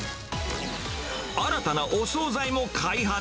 新たなお総菜も開発。